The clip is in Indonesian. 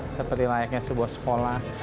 seperti layaknya sebuah sekolah